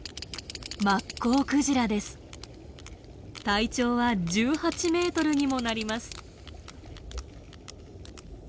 体長は１８メートルにもなります。